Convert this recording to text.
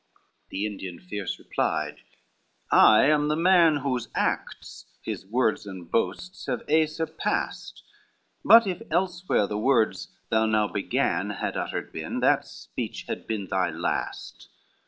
LI The Indian fierce replied, "I am the man Whose acts his words and boasts have aye surpassed; But if elsewhere the words thou now began Had uttered been, that speech had been thy last."